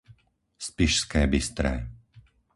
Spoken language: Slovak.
Spišské Bystré